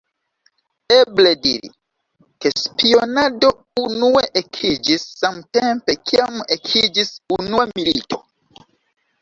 Eble diri, ke spionado unue ekiĝis samtempe, kiam ekiĝis unua milito.